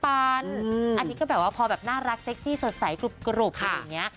อันนี้ก็แบบว่าพอแบบน่ารักเซ็กซี่สดใสกรุบอะไรอย่างนี้